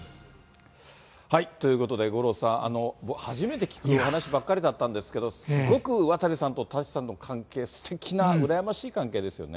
ということで、五郎さん、僕初めて聞くお話ばっかりだったんですけど、すごく渡さんと舘さんの関係、すてきな、羨ましい関係ですよね。